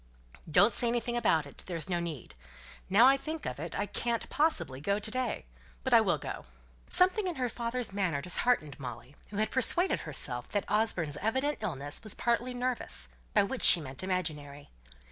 "Don't say anything about it; there's no need. Now I think of it, I can't possibly go to day, but I will go." Something in her father's manner disheartened Molly, who had persuaded herself that Osborne's evident illness was partly "nervous," by which she meant imaginary.